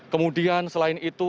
kemudian selain itu